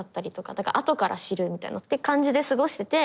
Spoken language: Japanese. だから後から知るみたいな。って感じで過ごしてて